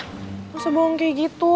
nggak usah bohong kayak gitu